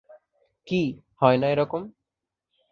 কি, হয় না এ রকম?